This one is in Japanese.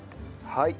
はい。